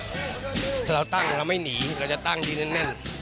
ถ้าเราตั้งเราไม่หนีเราจะตั้งที่แน่น